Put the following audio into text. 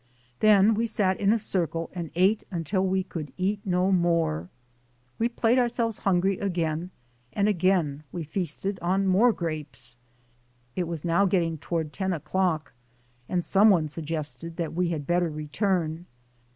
Then we sat in a circle and ate until we could eat no more. We played ourselves hungry again, and again we feasted on more grapes. It was now getting toward ten o'clock; and some one sug gested that we had better return.